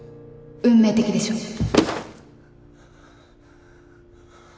運命的でしょ？